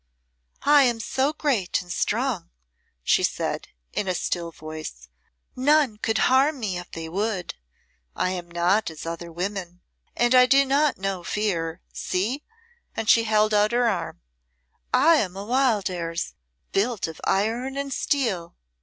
"I am so great and strong," she said, in a still voice, "none could harm me if they would. I am not as other women. And I do not know fear. See!" and she held out her arm. "I am a Wildairs built of iron and steel.